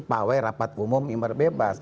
pawe rapat umum imbar bebas